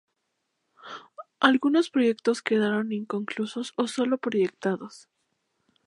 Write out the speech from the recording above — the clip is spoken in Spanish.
Algunos proyectos quedaron inconclusos o solo proyectados.